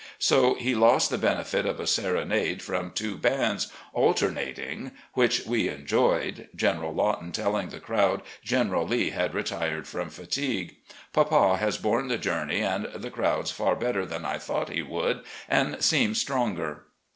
So he lost the benefit of a serenade from 394 RECOLLECTIONS OP GENERAL LEE two bands, alternating, which we enjoyed — General Lawton telling the crowd General Lee had retired from fatigue. Papa has home the journey and the crowds far better than I thought he would and seems stronger.